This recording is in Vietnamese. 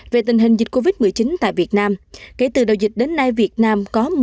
về tình hình dịch covid một mươi chín tại việt nam kể từ đầu dịch đến nay việt nam có một mươi sáu trăm ba mươi một